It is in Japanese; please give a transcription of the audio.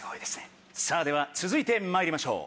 では続いてまいりましょう。